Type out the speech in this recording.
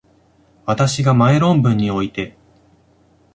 私が前論文において、